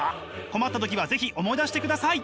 困った時は是非思い出してください！